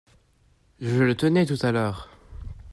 Je le tenais tout à l’heure.